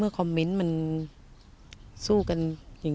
ไม่อยากให้มองแบบนั้นจบดราม่าสักทีได้ไหม